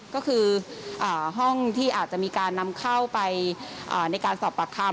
ก็คือห้องที่อาจจะมีการนำเข้าไปในการสอบปากคำ